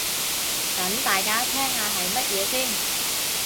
等大家聽下係乜嘢先